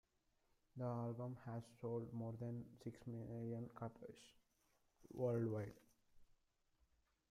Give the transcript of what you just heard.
The album has sold more than six million copies worldwide.